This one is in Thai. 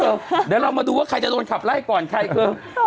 เดี๋ยวเรามาดูว่าใครจะโดนขับไล่ก่อนใครคือ